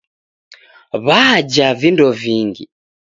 Wajaa vindo vingi!.